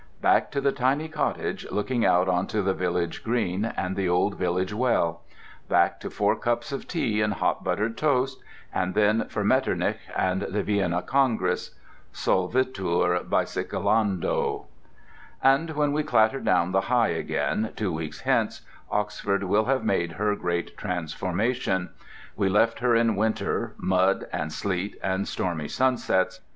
Back to the tiny cottage looking out onto the village green and the old village well; back to four cups of tea and hot buttered toast; and then for Metternich and the Vienna Congress. Solvitur bicyclando! And when we clatter down the High again, two weeks hence, Oxford will have made her great transformation. We left her in winter, mud and sleet and stormy sunsets.